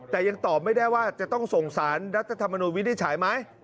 แต่ยังตอบไม่ได้ว่าจะต้องส่งสารรัฐธรรมนุนวินิจฉัยไหม